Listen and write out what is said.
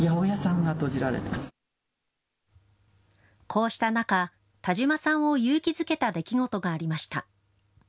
こうした中、田島さんを勇気づけた出来事がありました。